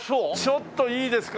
ちょっといいですか？